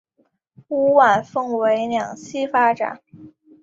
屋苑分为两期发展。